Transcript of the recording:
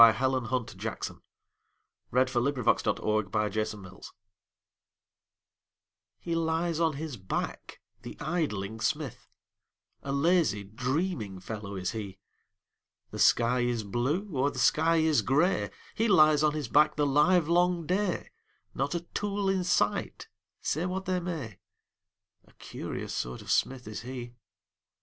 Helen Hunt Jackson The Poet's Forge HE lies on his back, the idling smith, A lazy, dreaming fellow is he; The sky is blue, or the sky is gray, He lies on his back the livelong day, Not a tool in sight, say what they may, A curious sort of smith is he.